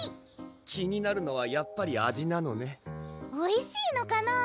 気になるのはやっぱり味なのねおいしいのかな？